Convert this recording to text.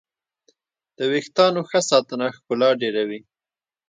د ویښتانو ښه ساتنه ښکلا ډېروي.